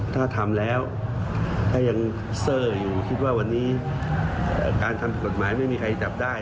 ถ้าทำแล้วถ้ายังเซอร์อยู่คิดว่าวันนี้การทำกฎหมายไม่มีใครจับได้